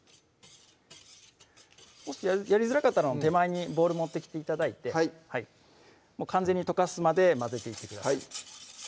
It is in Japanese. もしやりづらかったら手前にボウル持ってきて頂いて完全に溶かすまで混ぜていってください